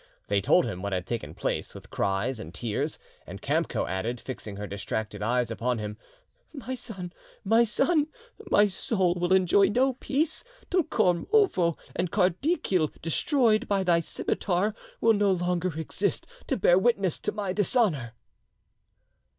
They told him what had taken place, with cries and tears, and Kamco added, fixing her distracted eyes upon him, "My son! my son! my soul will enjoy no peace till Kormovo and Kardikil destroyed by thy scimitar, will no longer exist to bear witness to my dishonour."